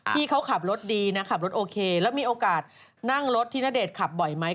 ที่เขาขับรถดีนะขับรถโอเคแล้วมีโอกาสนั่งรถที่ณเดชน์ขับบ่อยไหม